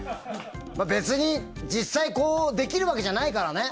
別に、実際こうできるわけじゃないからね。